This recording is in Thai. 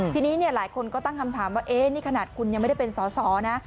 ทีนี้หลายคนก็ตั้งคำถามว่านี่ขนาดคุณยังไม่ได้เป็นสอสอนะ